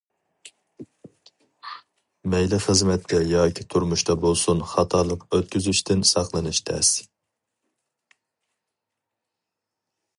مەيلى خىزمەتتە ياكى تۇرمۇشتا بولسۇن خاتالىق ئۆتكۈزۈشتىن ساقلىنىش تەس.